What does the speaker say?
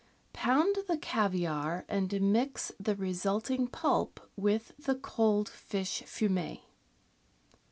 — Pound the caviare and mix the result ing pulp with the cold fish fumet.